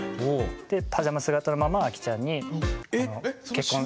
でパジャマ姿のままアキちゃんにあの結婚。